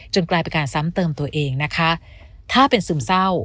กลายเป็นการซ้ำเติมตัวเองนะคะถ้าเป็นซึมเศร้า